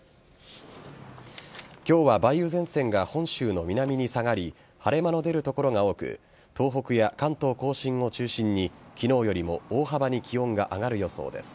今日は梅雨前線が本州の南に下がり晴れ間の出る所が多く東北や関東甲信を中心に昨日よりも大幅に気温が上がる予想です。